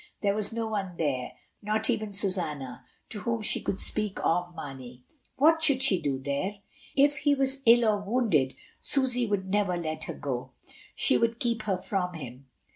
There was no one there, not even Susanna, to whom she could speak of Mamey. What should she do there? If he was ill or wounded, Susy would never let her go, she would keep her from him.